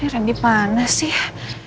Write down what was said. randy mana sih